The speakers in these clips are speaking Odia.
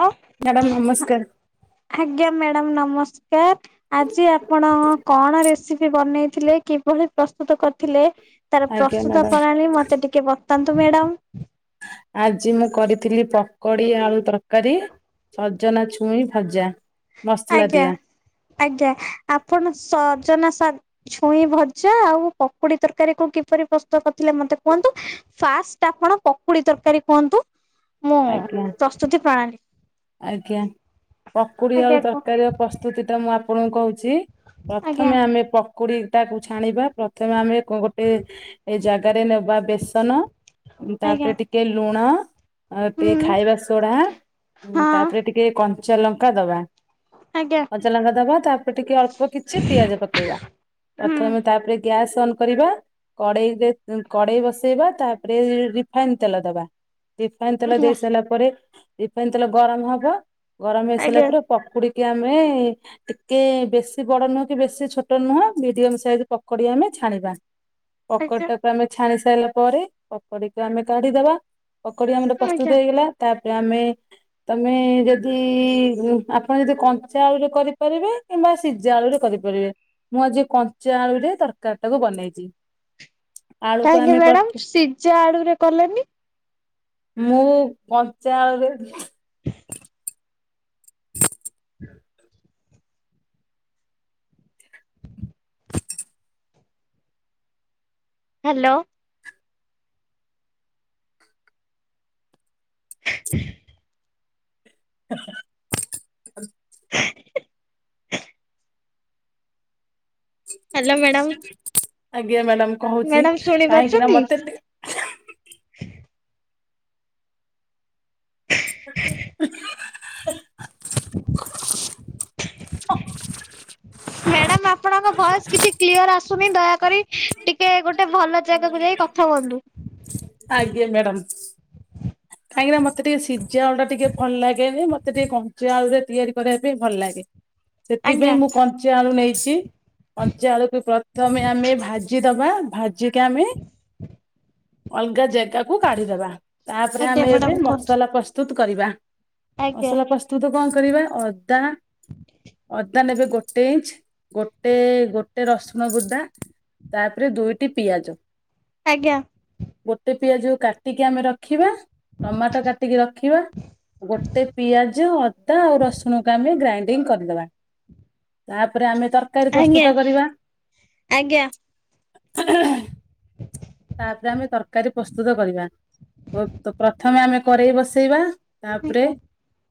ହଁ। ମ୍ୟାଡ଼ାମ ନମସ୍କାର। ଆଜ୍ଞା ମ୍ୟାଡାମ ନମସ୍କାର, ଆଜି ଆପଣ କଣ ରେସିପି ବନେଇଥିଲେ କିଭଳି ପ୍ରସ୍ତୁତ କରିଥିଲେ। ତାର ଆଜ୍ଞା ପ୍ରସ୍ତୁତ ମ୍ୟାଡାମ ପ୍ରଣାଳୀ ମତେ ଟିକେ ବତାନ୍ତୁ ମ୍ୟାଡାମ। ଆଜି ମୁଁ କରିଥିଲି ପକୋଡି ଆଳୁ ତରକାରୀ ସଜନା ଛୁଇଁ ଭଜା। ମସଲା ଆଜ୍ଞା ଦିଆ ଆଜ୍ଞା ଆପଣ ସଜନା ସା ଛୁଇଁ ଭଜା ଆଉ ପକୁଡି ତରକାରୀ କ କିପରି ପ୍ରସ୍ତୁତ କରିଥିଲେ ମତେ କୁହନ୍ତୁ। ଫାଷ୍ଟ ଆପଣ ପକୁଡି ତରକାରୀ କୁହନ୍ତୁ। ମୁଁ ଆଜ୍ଞା ପ୍ରସ୍ତୁତି ପ୍ରଣାଳୀ ଆଜ୍ଞା ପକୁଡି ତର୍ ଆଜ୍ଞା କୁହ ତରକାର ପ୍ରସ୍ତୁତି ଟା ମୁଁ ଆପଣଙ୍କୁ କୋହୁଚି ଆଜ୍ଞା ପ୍ରଥମେ ଆମେ ପକୁଡି ଟାକୁ ଛାଣିବା ପ୍ରଥମେ ଆମେ ଗୋଟେ ଏ ଜାଗାରେ ନେବା ବେସନ। ଆଜ୍ଞା ତାପରେ ଟିକେ ଲୁଣ। ଆଉ ଟିକେ ହୁଁ ଖାଇବା ସୋଢା ହଁ ତାପରେ ଟିକେ କଞ୍ଚା ଲଙ୍କା ଦବା। ଆଜ୍ଞା। କଞ୍ଚା ଲଙ୍କା ଦବା ତାପରେ ଟିକେ ଅଳ୍ପ କିଛି ପିଆଜ ପକେଇବା। ହୁଁ ପ୍ରଥମେ ତାପରେ ଗ୍ୟାସ୍ ଅନ୍ କରିବା। କଡ଼େଇରେ କଡେଇ ବସେଇବା ତାପରେ ରିଫାଇନ ତେଲ ଦବା। ରିଫାଇନ୍ ତେଲ ଆଜ୍ଞା ଦେଇ ସାରିଲା ପରେ ରିଫାଇନ୍ ତେଲ ଗରମ ହବ ଗରମ ହେଇ ସାରିଲା ଆଜ୍ଞା ପରେ। ପକୁଡିକି ଆମେ ଟିକେ ବେଶୀ ବଡ ନୁହଁ କି ବେଶୀ ଛୋଟ ନୁହଁ ମିଡିୟମ ସାଇଜ ପକୋଡି ଆମେ ଛାଣିବା। [inaudible] ପକୋଡି ଟାକୁ ଆମେ ଛାଣି ସାରିଲା ପରେ ପକୋଡିକି ଆମେ କାଢିଦବା। ପକଡି ଆମର ଆଜ୍ଞା। ପ୍ରସ୍ତୁତ ହେଇଗଲା ତାପରେ ଆମେ ତମେ ଯଦି ଆପଣ ଯଦି କଞ୍ଚା ଆଳୁରେ କରିପାରିବେ କିମ୍ବା ସିଝା ଆଳୁ ରେ କରିପାରିବେ ମୁଁ ଆଜି କଞ୍ଚା ଆଳୁରେ ତରକାରୀ ଟାକୁ ବନେଇଥିଲି। କାହିଁକି ମ୍ୟାଡାମ ସିଝା ଆଡୁରେ କଲେନି? ମୁଁ କଞ୍ଚା ଅଳୁରେ [inaudible] ହ ହ୍ୟାଲୋ। ଆ୍ଛା ହ୍ୟାଲୋ ମ୍ୟାଡ଼ାମ। ଆଜ୍ଞା ମ୍ୟାଡାମ କହୁଛି ଶୁଣି କାହିଁକି ନା ପାରୁଛନ୍ତି? ମତେ ମ୍ୟାଡାମ ଆପଣଙ୍କ ଭଏସ କିଛି କ୍ଲିୟର ଆସୁନି ଦୟାକରି ଟିକେ ଗୋଟେ ଭଲ ଜାଗାକୁ ଯାଇ କଥା ହୁଅନ୍ତୁ। ଆଜ୍ଞା ମ୍ୟାଡ଼ାମ। ହଁ କାହିଁକିନା ମତେ ଟିକେ ସିଝା ଟା ଆଳୁ ଟା ଟିକେ ଭଲ ଲାଗେନି। ମତେ ଟିକେ କଞ୍ଚା ଆଳୁରେ ତିଆରି କରିବା ପାଇଁ ଭଲ ଲାଗେ। ଆଜ୍ଞା ସେଥିପାଇଁ ମୁଁ କଞ୍ଚା ଆଳୁ ନେଇଛି। କଞ୍ଚା ଆଳୁକୁ ପ୍ରଥମେ ଆମେ ଭାଜି ଦବା ଭାଜିକି ଆମେ ଅଲଗା ଜାଗା କୁ କାଢିଦବା ତା ପରେ ଆଜ୍ଞା ଆମେ ଏବେ ମ୍ୟାଡାମ କୁହନ୍ତୁ ମସଲା ପ୍ରସ୍ତୁତ କରିବା। ଆଜ୍ଞା ମସଲା ପ୍ରସ୍ତୁତ କଣ କରିବା ଅଦା ଅଦ ଅଦା ନେବେ ଗୋଟେ ଇଞ୍ଚ ଗୋଟେ ଗୋଟେ ରସୁଣ ଗୁଦା। ତା ପରେ ଦୁଇଟି ପିଆଜ। ଆଜ୍ଞା। ଗୋଟେ ପିଆଜ କୁ କାଟିକି ଆମେ ରଖିବା। ଟମାଟୋ କାଟିକି ରଖିବା। ଗୋଟେ ପିଆଜ ଅଦା ଆଉ ରସୁଣକୁ ଆମେ ଗ୍ରାଇନ୍ ଦିଙ୍କ କରିଦବା। ତା ପରେ ଆମେ ତରକାରୀ ଆଜ୍ଞା ପ୍ରସ୍ତୁତ କରିବା ଆଜ୍ଞା। ତା ପରେ ଆମେ ତର ତରକାରୀ ପ୍ରସ୍ତୁତ କରିବା। ଓ ପ୍ରଥମେ ଆମେ କରେଇ ବସେଇବା। ତା ପରେ ଆଜ୍ଞା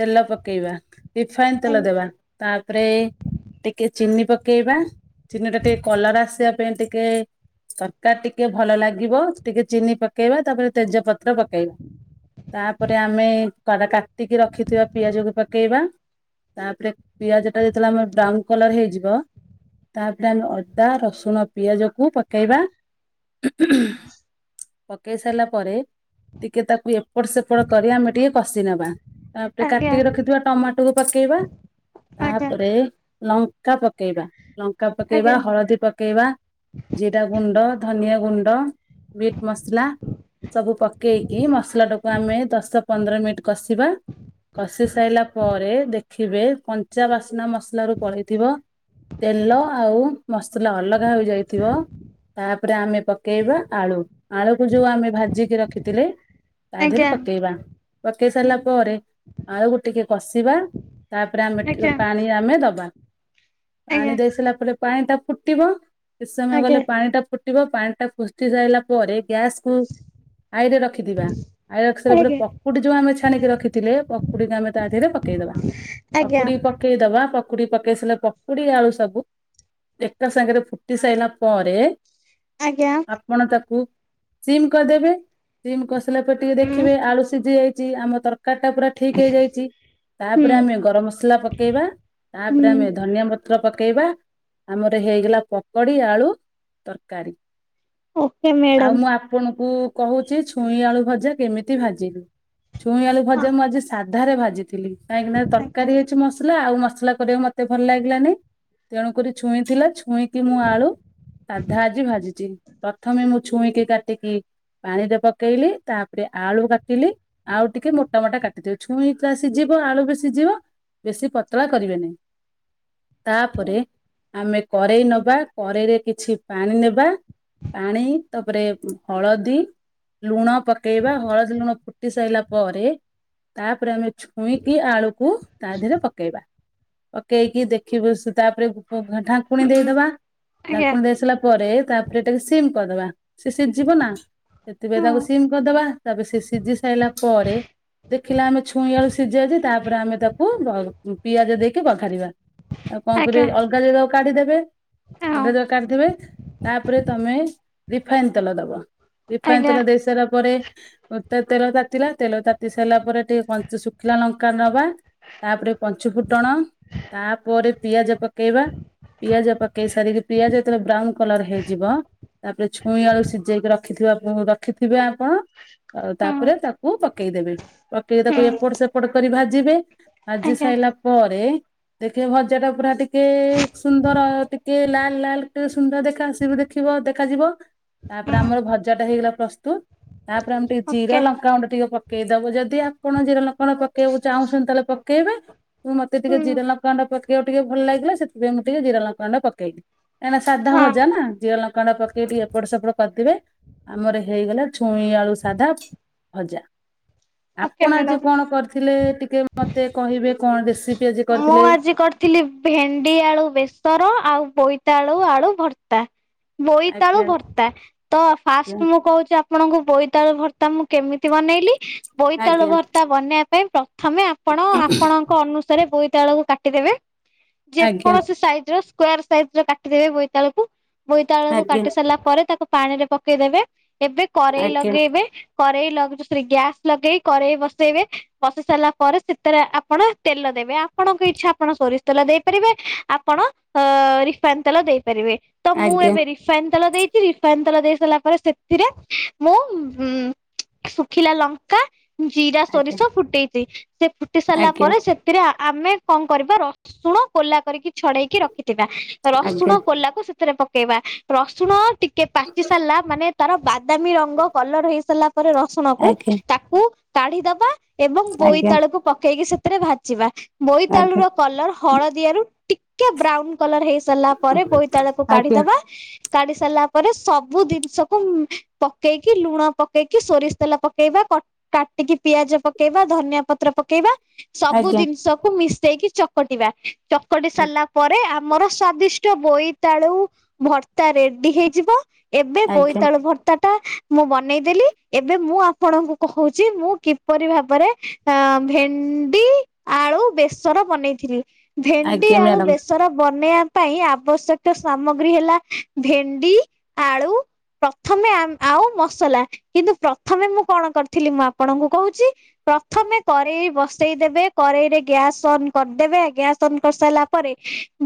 ତେଲ ପକେଇବା ରିଫାଇନ ଆଜ୍ଞା ତେଲ ଦେବା। ତା ପରେ ଟିକେ ଚିନି ପକେଇବା ଚିନି ଟା ଟିକେ କଲର ଆସିବା ତା ପାଇଁ ଟିକେ ତରକାରୀ ଟିକେ ଭଲ ଲାଗିବ। ଟିକେ ଚିନି ପକେଇବା ତା ପରେ ତେଜପତ୍ର ପକେଇବା। ତା ପରେ ଆମେ କ-କାଟିକି ରଖିଥିବା ପିଆଜକୁ ପକେଇବା। ତା ପରେ ପିଆଜ ଟା ଯେତେବେଳେ ଆମର ବ୍ରାଉନ କଲର ହେଇଯିବ। ତାପରେ ଆମେ ଅଦା, ରସୁଣ, ପିଆଜକୁ ପକେଇବା। ପକେଇ ସାରିଲା ପରେ ଟିକେ ତାକୁ ଏପଟ ସେପଟ କରି ଆମେ ଟିକେ କଷି ନେବା। ତା ପରେ ଆଜ୍ଞା କାଟିକି ରଖିଥିବା ଟମା ଟୁକୁ ପକେଇବା ଆଜ୍ଞା ଆଜ୍ଞା ତା ଆଜ୍ଞା ପରେ ଲଙ୍କା ପକେଇବା। ଲଙ୍କ ଙ୍କା ପକେଇବା ଆଜ୍ଞା ହଳଦୀ ପକେଇବା। ଜିରା ଗୁଣ୍ଡ, ଧନିଆ ଗୁଣ୍ଡ ମିଟ୍ ମସଲା। ସବୁ ପକେଇକି ମସଲାଟାକୁ ଆମେ ଦଶ ପନ୍ଦର ମିନିଟ୍ କଷିବା। କଷି ସାରିଲା ପରେ ଦେଖିବେ କଞ୍ଚା ବାସ୍ନା ମସଲା ରୁ ପଳେଇଥିବ। ତେଲ ଆଉ ମସଲା ଅଲଗା ହୋଇଯାଇଥିବ। ତା ପରେ ଆମେ ପକେଇବା ଆଳୁ ଆଳୁକୁ ଯୋଉ ଆମେ ଭାଜିକି ରଖିଥିଲେ। ତା ଧେରେ ପକେଇବା। ପକେଇ ସାରିଲା ପରେ ଆଳୁକୁ ଟିକେ କଷିବା ତା ପରେ ଆମେ ଟିକେ ପାଣି ଆମେ ଦବା। ଆଜ୍ଞା ପାଣି ଦେଇ ସାରିଲା ପରେ ପାଣି ଟା ଫୁଟିବ। କିଛି ସମୟ ଗଲେ ପାଣି ଟା ଫୁଟିବ। ପାଣି ଟା ଫୁଟି ସାରିଲା ପରେ ଗ୍ୟାସ୍ କୁ ହାଇରେ ରଖିଥିବା। ହାଇ ରଖିସରିଲା ପରେ ପକୁଡି ଯୋଉ ଆମେ ଛାଣିକି ରଖିଥିଲେ ପକୁଡିକୁ ଆମେ ତା ଦେହରେ ପକେଇଦବା। ଆଜ୍ଞା ପକୁଡି କୁ ପକେଇଦବା ପକୁଡି ପକେଇ ସାରିଲା ପକୁଡି ଆଳୁ ସବୁ ଏକା ସାଙ୍ଗରେ ଫୁ ଫୁଟି ସାଇଲା ପରେ ଆଜ୍ଞା। ମାନେ ତାକୁ ସିମ୍ କରିଦେବେ ସିମ୍ କରିସାରିଲା ପରେ ଟିକେ ହୁଁ ଦେଖିବେ। ଆଳୁ ସିଝି ଯାଇ ଆମ ତରକାରୀ ଟା ପୁରା ଠିକ ହେଇଯାଇଚି। ହୁଁ ତାପରେ ଆମେ ଗରମ ମସଲା ପକେଇବା ହୁଁ ତାପରେ ଆମେ ଧନିଆ ପତ୍ର ପକେଇବା ଆମର ହେଇଗଲା ପକୋଡି ଆଳୁ ତରକାରୀ ଓକେ ଆଉ ମ୍ୟାଡ଼ାମ ମୁଁ ଆପଣ ଙ୍କୁ କହୁଛି ଛୁଇଁ ଆଳୁ ଭଜା କେମିତି ଭାଜିଲୁ ଛୁଇଁ ଆଳୁ ଭଜା ହଁ ମୁଁ ଆଜି ଅଧାରେ ଭାଜିଥିଲି କାହିଁକିନା ଆଜ୍ଞା ତରକାରୀ ମସଲା ଆଉ ମସଲା କରିବାକୁ ମତେ ଭଲ ଲାଗି ଲାନି ତେଣୁ କରି ଛୁଇଁ ଥିଲା ଛଇଁ କି ମୁଁ ଆଳୁ ସାଧା ଆଜି ଭାଜିଛି ପ୍ରଥମେ ମୁଁ ଛୁଇଁକି କାଟିକି ପାଣିରେ ପକେଇଲି ତାପରେ ଆଳୁ କାଟିଲି ଆଉ ଟିକେ ମୋଟା ମୋଟା କାଟିଦେଲି ଛୁଇଁ ତ ସିଝିବ ଆଳୁ ବି ସିଝିବ ବେଶୀ ପତଳା କରିବେ ନାହିଁ ତାପରେ ଆମେ କରେଇ ନ ପରେ କରେଇରେ କିଛି ପାଣି ନେବା ପାଣି ତାପରେ ହଳଦୀ ଲୁଣ ପକେଇବା ହଳଦୀ ଲୁଣ ଫୁଟି ସାରିଲା ପରେ ତାପରେ ଆମେ ଛୁଇଁକି ଆଳୁ କୁ ତା ଦେିହରେ ପକେଇବା ପକେଇକି ଦେଖିବୁ ତାପରେ ଢାଙ୍କୁଣି ହୁଁ ଦେଇଦବା ଆଜ୍ଞା ଡାଙ୍କୁଣି ଦେଇ ସାରିଲା ପରେ ତାପରେ ଟେ ସିମ୍ କରିଦବା ସିମ ସିଝ ଯିବ ନା ସେଥିପାଇଁ ହୁଁ ତାକୁ ସିମ କରିଦବା ତାପରେ ସେ ସିଝି ସାରିଲା ପରେ ଦେଖିଲା ଆମେ ଛୁଇଁ ଆେଳୁ ସିଝି ଯାଇଛି ତାପରେ ଆମେ ତାକୁ ପିଆଜ ଦେଇକି ପଖାରିବା ଆଉ କଣ ଆଜ୍ଞା କର ଅଲଗା ଜାଗାକୁ କାଢିଦେବେ ହଁ ଓଧେ ଦରକାରଥିବେ ତାପରେ ତମେ ରିଫାଇନ ତେଲ ଦବ ରିଫାଇନ ଆଜ୍ଞା ତେଲ ଦେଇ ସାରିଲା ପରେ ମତେ ତେଲ ତାତିଲା ତେଲ ତାତି ସାରିଲା ପରେ ଟିକେ ଶୁଖିଲା ଲଙ୍କା ନବା ତାପରେ ପଞ୍ଚୁ ଫୁଟଣ ତାପରେ ପିଆଜ ପକେଇବା ପିଆଜ ପକେଇ କେଇ ସାରିକି ପିଆଜ ହେଇତେବେ ବ୍ରାଉନ କଲର ହେଇଯିବ ତାପରେ ଛଇଁ ଆଳୁ ସିଝେଇକି ରଖ ରଖିଥିବା ରଖିଥିବେ ଆପଣ ଆଉ ହୁଁ ତାପରେ ତାକୁ ପକେଇଦେବେ ପକେଇକି ତାକୁ ହୁଁ ଏପଟ ସେପଟ କରି ଭାଜିବେ ଭାଜି ଆଜ୍ଞା ସାରିଲା ପରେ ଦେଖେ ଭଜା ଟା ପୁରା ଟିକେ ସୁନ୍ଦର ଟେ କିଏ ଲାଲ ଲାଲ କେ ସୁନ୍ଦର ଦେଖା ଆସିବ ଦେଖିବ ଦେଖାଯିବ ତାପରେ ହୁଁ ଆମର ଭଜା ଟା ହେଇଗଲା ପ୍ରସ୍ତୁତ ତାପରେ ଆମେ ଟିକେ ଜିରା ଓକେ ଲଙ୍କା ଗୁଣ୍ଡ ଟିକେ ପକେଇଦବୁ ଯଦି ଆପଣ ଜିରା ଲଙ୍କା ଗୁଣ୍ଡ ପକେଇବାକୁ ଚାହୁଁଛନ୍ତି ତାହେଲେ ପକେଇବେ ତ ମତେ ଟିକେ ହୁଁ ଜିରା ଲଙ୍କା ଗୁଣ୍ଡ ପକେଇବାକୁ ଟିକେ ଭଲ ଲାଗିଲା ସେଥିପାଇଁ ମୁଁ ଟିକେ ଜିରା ଲଙ୍କା ଗୁଣ୍ଡ ପକେଇ କାହିଁକ ସାଧା ହଁ ଭଜା ନା ଜିରା ଲଙ୍କା ଲଙ୍କା ଗୁଣ୍ଡ ପକେଇକି ଏପଟ ସେପଟ କରିଦିବେ ଆମର ହେଇଗଲା ଛୁଇଁ ଆଳୁ ସାଧା ଭଜା ଓକେ ଆପଣ ଆଜି ମ୍ୟାଡ଼ାମ। କଣ କରିଥିଲେ ଟିକେ ମତେ କହିବେ କଣ ରେସିପି ଆଜି ମୁଁ କରିଥିଲେ? ଆଜି କରିଥିଲ ଥିଲି ଭେଣ୍ଡି ଆଳୁ ବେସର ଆଉ ବୋଇତାଳୁ ଆଳୁ ଭର୍ତ୍ତା ବୋଇତାଳୁ ଆଜ୍ଞା ଭର୍ତ୍ତା ତ ଫାଷ୍ଟ ମୁଁ କହୁଛି ଆପଣଙ୍କୁ ବୋଇତାଳୁ ଭର୍ତ୍ତା ମୁଁ କେମିତି ବନେଇଲି ବୋଇତାଳୁ ଆଜ୍ଞା ଭର୍ତ୍ତା ବନେଇବା ପାଇଁ ପ୍ରଥମେ ଆପଣ ଆପଣଙ୍କ ଅନୁସାରେ ବୋଇତାଳକୁ କାଟିଦେବେ ଆଜ୍ଞା ଯେକୌଣସି ସାଇଜ ର ାର ସାଇଜରେ କାଟିଦେବେ ବୋଇତାଳ କକୁ ବୋଇତାଳୁକୁ ଆଜ୍ଞା କାଟି ସାରିଲା ପରେ ତାକୁ ପାଣି ରେ ପକେଇଦେବେ ଏବେ କରେେଇ ଲଗେଇବେ କରେଇ ଲଗଛ ସେଠ ଗ୍ୟାସ୍ ଲଗେଇ କରେେଇ ବସେଇବେ ବସେଇ ସାରିଲା ପରେ ସେଥିରେ ଆପଣ ତେଲ ଦେବେ ଆପଣଙ୍କ ଇଚ୍ଛା ଆପଣ ସୋରିଷ ତେଲ ଦେଇପାରିବେ ଆପଣ ଅ ରିଫାଇନ୍ ତେଲା ଦେଇପାରିବେ ତ ମୁଁ ଆଜ୍ଞା ଏବେ ରିଫାଇନ ତେଲ ଦେଇଛି ରିଫାଇନ ତେଲ ଦେଇ ସାରିଲା ପରେ ସେଥିରେ ମୁଁ ଶୁଖିଲା ଲଙ୍କା ଜିରା ଆଜ୍ଞା ସୋରିଷ ଫୁଟେଇଛି ସେ ଫୁଟି ସାରିଲା ଆଜ୍ଞା ପରେ ସେଥିରେ ଆମେ କଣ କରିବା ରସୁଣ କୋଲା କରିକି ଛଡେଇକି ରଖିଥିବା ଆଜ୍ଞା ରସୁଣ କୋଲାକୁ ସେଥିରେ ପକେଇବା ରସୁଣ ଟିକେ ପାଚି ସାରିଲା ମାନେ ତାର ବାଦାମୀ ରଙ୍ଗ କଲର ହେଇ ସାରିଲା ପରେ ରସୁଣ କୁ ଆଜ୍ଞା ତାକୁ କ କାଢିଦବା ଏବଂ ଆଜ୍ଞା ବୋଇତାଳୁକୁ ପକେଇକି ସେଥିରେ ଭାଜିବା ବୋଇତାଳୁର କଲର ହଳଦିଆରୁ ଟିକେ ବ୍ରାଉନ କଲର ହେଇସାରିଲା ପରେ ବୋଇତାଳୁକୁ ଆଜ୍ଞା କାଢିଦବା। କାଢି ସାରିଲା ପରେ ସବୁ ଜିନିଷକୁ ପକେଇକି ଲୁଣ ପକେଇକି ସୋରିଷ ତେଲ ପକେଇବା। କାଟିକି ପିଆଜ ପକେଇବା ଧନିଆ ପତ୍ର ପକେଇବା। ଆଜ୍ଞା ସବୁ ଆଜ୍ଞା ଜିନିଷକୁ ମିଶେଇକି ଚକଟିବା। ଚକଟି ସାରିଲା ପରେ ଆମର ସ୍ଵାଦିଷ୍ଟ ବୋଇ ବୋଇତାଳୁ ଭର୍ତ୍ତା ରେଡି ହେଇଯିବ ଏବେ ଆଜ୍ଞା ଆଜ୍ଞା ଆଜ୍ଞା ବୋଇତାଳୁ ଭର୍ତ୍ତା ଟା ମୁଁ ବନେଇଦେଲି ଏବେ ମୁଁ ଆପଣଙ୍କୁ କହୁଛି ମୁଁ କିପରି ଭାବରେ କହୁଛି ଭେଣ୍ଡି ଆଳୁ ବେସର ବନେଇଥିଲି ଭେଣ୍ଡି ଆଜ୍ଞା ଆଳୁ ମ୍ୟାଡ଼ାମ ବେସର ର ବନେଇବା ପାଇଁ ଆବଶ୍ୟକ ସାମଗ୍ରୀ ହେଲା ଭେଣ୍ଡି, ଆଳୁ, ପ୍ରଥମେ ଆଉ ମସଲା କିନ୍ତୁ ପ୍ରଥମେ ମୁଁ କଣ କରିଥିଲି ମୁଁ ଆପଣଙ୍କୁ କହୁଛି। ପ୍ରଥମେ କରେଇ ବ ଦେବେ କରେେଇରେ ଗ୍ୟାସ ଅନ୍ କରିଦେବେ ଗ୍ୟାସ ଅନ୍ କରିସାରିଲା ପରେ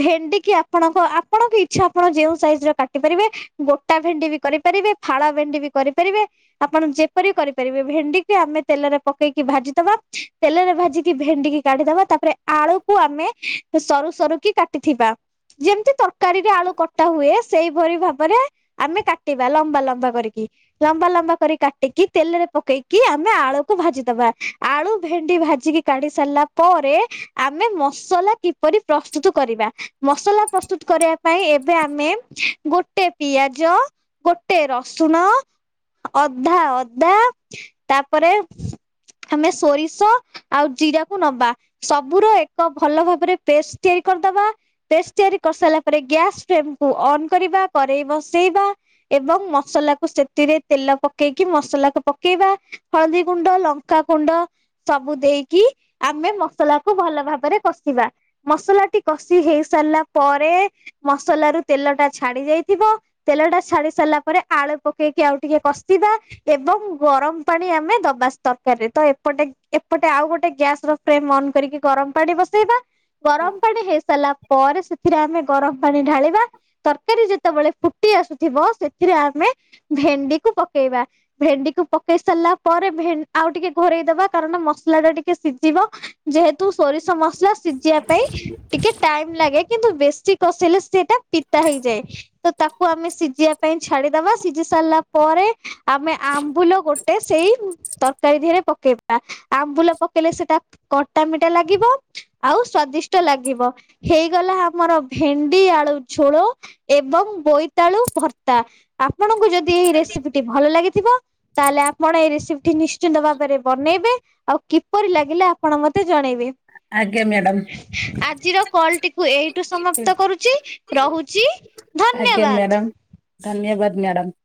ଭେଣ୍ଡି କିି ଆପଣଙ୍କ ଆପଣଙ୍କ ଇଚ୍ଛା ଆପଣ ଯେଉଁ ସାଇଜରେ କାଟି ପାରିବେ। ଗୋଟା ଭେଣ୍ଡି ବି କରିପାରିବେ ଫାଳ ଭେଣ୍ଡି ବି କରିପାରିବେ। ଆପଣ ଯେପରି କରିପାରିବେ ଭେଣ୍ଡିକୁ ଆମେ ତେଲରେ ପକେଇକି ଭାଜିଦବା ତେଲରେ ଭାଜିିକି ଭେଣ୍ଡିକି କାଢିଦବା ତାପରେ ଆଳୁକୁ ଆମେ ସରୁ ସରୁ କି କାଟିଥିବା। ଯେମିତି ତରକାରୀରେ ଆଳୁ କଟା ହୁଏ ସେଇପରି ଭାବରେ ଆମେ କାଟିବା ଲମ୍ବା ଲମ୍ବା କରିକି ଲମ୍ବା ଲମ୍ବା କରି କାଟିକି ତେଲରେ ପକେଇକି ଆମେ ଆଳୁକୁ ଭାଜିଦବା ଆଳୁ ଭେଣ୍ଡି ଭାଜି କାଢି ସାରିଲା ପରେ ଆମେ ମସଲା କିପରି ପ୍ରସ୍ତୁତ କରିବା। ମସଲା ପ୍ରସ୍ତୁତ କରିବା ପାଇଁ ଏବେ ଆମେ ଗୋଟେ ପିଆଜ, ଗୋଟେ ରସୁଣ, ଅଧା ଅଦା ତାପରେ ଆମେ ସୋରିଷ ଆଉ ଜିରାକୁ ନବା ସବୁର ଏକ ଭଲ ଭାବରେ ପେଷ୍ଟ ତିଆରି କରିଦବା। ପେଷ୍ଟ ତିଆରି କରିସାରିଲା ପରେ ଗ୍ୟାସ ଫ୍ରେମକୁ ଅନ କରିବା କରେଇ ବସେଇବା। ଏବଂ ମସଲାକୁ ସେଥିରେ ତେଲ ପକେଇକି ମସଲାକୁ ପକେଇବା। ହଳଦୀ କୁଣ୍ଡ, ଲଙ୍କା କୁଣ୍ଡ ସବୁ ଦେଇ କି ଆମେ ମସଲା କୁ ଭଲ ଭାବରେ କଷିବା। ମସଲା ଟି କଷି ହେଇ ସାରିଲା ପରେ ମସଲା ରୁ ତେଲ ଟା ଛାଡି ଯାଇଥିବ ତେଲ ଟା ଛାଡି ସାରିଲା ପରେ ଆଳୁ ପକେଇକି ଆଉ ଟିକେ କଷିବା ଏବଂ ଗରମ ପାଣି ଆମେ ଦବା ତରକାରୀ ରେ ତ ଏପଟେ ଏପଟେ ଆଉ ଗୋଟେ ଏ ଗ୍ୟାସ ର ଫ୍ରେମ୍ ଅନ୍ କରିକି ଗରମ ପାଣି ବସେଇବା ଗରମ ପାଣି ହେଇସାରିଲା ପରେ ସେଥିରେ ଆମେ ଗରମ ପାଣି ଢାଳିବା ତରକାରୀ ଯେତେବେଳେ ଫୁଟି ଆସୁଥିବ ସେଥିରେ ଆମେ ଭେଣ୍ଡି କୁ ପକେଇବା ଭେଣ୍ଡି କୁ ପକେଇ ସାରିଲା ପରେ ଆଉ ଟିକେ ଘୋରେଇଦବା କାରଣ ମସଲା ଟା ଟିକେ ଟିକେ ସିଝିବ ଯେହେତୁ ସୋରିଷ ମସଲା ସିଝିବା ପାଇଁ ଟିକେ ଟାଇମ ଲାଗେ କିନ୍ତୁ ବେଶୀ କଷେଇଲେ ସେଟା ପିତା ହେଇଯାଏ। ତ ତାକୁ ଆମେ ସିଝିବା ପାଇଁ ଛାଡିଦବା ସିଝି ସାରିଲା ପରେ ଆମେ ଆମ୍ବୁଲ ଗୋଟେ ସେଇ ତରକାରୀ ଧିଏରେ ପକେଇବା ଆମ୍ବୁଲ ହେଲେ ସେଟା କଟା ମିଟା ଲାଗିବ। ଆଉ ସ୍ଵାଦିଷ୍ଟ ଲାଗିବ ହେଇଗଲା ଆମର ଭେଣ୍ଡି ଆଳୁ ଝୋଳ। ଏବଂ ବୋଇତାଳୁ ଭର୍ତ୍ତା ଆପଣଙ୍କୁ ଯଦି ଏଇ ରେସିପି ଟି ଭଲ ଲାଗିଥିବ। ତାହେଲେ ଆପଣ ଏଇ ରେସିପି ଟି ନିଶ୍ଚିନ୍ତ ଭାବରେ ବନେଇବେ ଆଉ କିପରି ଲାଗିଲା ଆପଣ ମତେ ଜଣେଇବେ? ଆଜ୍ଞା ମ୍ୟାଡ଼ାମ। ଆଜିର କଲ ଟିକୁ ଏଇଠୁ ସମାପ୍ତ କରୁଛି ରହୁଛି? ଆଜ୍ଞା ଧନ୍ୟବାଦ। ମ୍ୟାଡ଼ାମ ଧନ୍ୟବାଦ ମ୍ୟାଡ଼ମ୍।